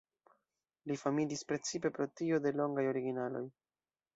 Li famiĝis precipe pro trio de longaj originaloj.